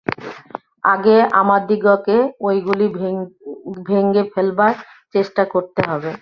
আগে আমাদিগকে ঐগুলি ভেঙে ফেলবার চেষ্টা করতে হবে।